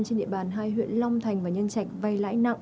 trên địa bàn hai huyện long thành và nhân trạch vay lãi nặng